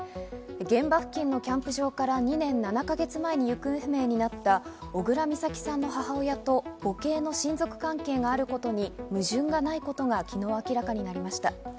現場付近のキャンプ場から２年７か月前に行方不明になった小倉美咲さんの母親と母系の親族関係があることに矛盾がないことが昨日明らかになりました。